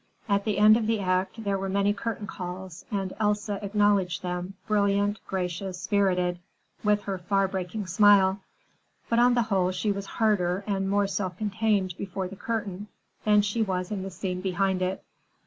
At the end of the act there were many curtain calls and Elsa acknowledged them, brilliant, gracious, spirited, with her far breaking smile; but on the whole she was harder and more self contained before the curtain than she was in the scene behind it.